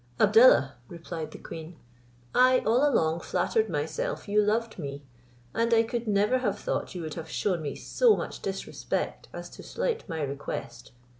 "Abdallah," replied the queen, "I all along flattered myself you loved me, and I could never have thought you would have shewn me so much disrespect as to slight my request.